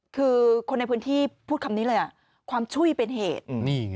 คือคนในพื้นที่พูดคำนี้เลยความช่วยเป็นเหตุ